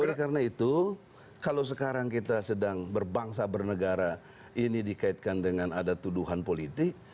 oleh karena itu kalau sekarang kita sedang berbangsa bernegara ini dikaitkan dengan ada tuduhan politik